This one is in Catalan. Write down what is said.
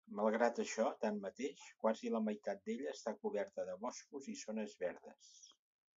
Malgrat això, tanmateix, quasi la meitat d'ella està coberta de boscos i zones verdes.